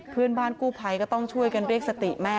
เพื่อนบ้านกู้ภัยก็ต้องช่วยกันเรียกสติแม่